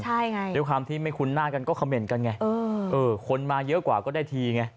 ใช่ไงด้วยความที่ไม่คุ้นหน้ากันก็คอมเมนต์กันไงคนมาเยอะกว่าก็ได้ทีไง